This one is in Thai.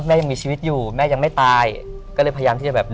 แม่ยังมีชีวิตอยู่แม่ยังไม่ตาย